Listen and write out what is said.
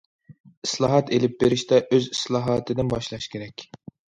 ئىسلاھات ئېلىپ بېرىشتا ئۆز ئىسلاھاتىدىن باشلاش كېرەك.